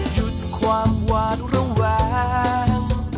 หยุดความหวานระแวง